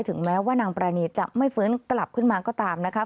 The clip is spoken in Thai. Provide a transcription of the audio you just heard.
ถึงแม้ว่านางปรานีจะไม่ฟื้นกลับขึ้นมาก็ตามนะคะ